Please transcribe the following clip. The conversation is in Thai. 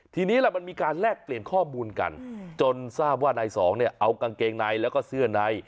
ทีนี้ล่ะมันมีการแลกเปลี่ยนข้อมูลกันจนทราบว่านายสองเนี่ยเอากางเกงในแล้วก็เสื้อใน